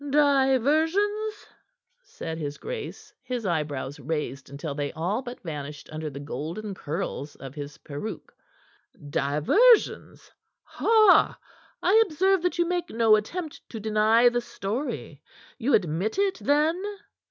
"Diversions?" said his grace, his eyebrows raised until they all but vanished under the golden curls of his peruke. "Diversions? Ha! I observe that you make no attempt to deny the story. You admit it, then?"